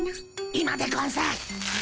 今でゴンス。